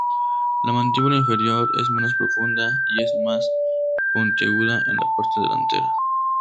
La mandíbula inferior es menos profunda y es más puntiaguda en la parte delantera.